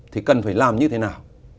thì cần phải làm như thế nào